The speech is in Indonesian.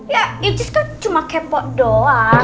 ya iucis kan cuma kepo doang